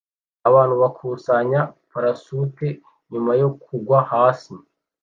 Abantu bakusanya parasute nyuma yo kugwa hasi